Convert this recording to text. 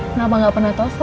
kenapa gak pernah tau